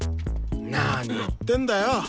なに言ってんだよ！